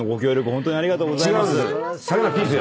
ホントにありがとうございます。